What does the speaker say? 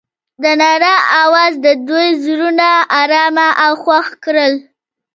د رڼا اواز د دوی زړونه ارامه او خوښ کړل.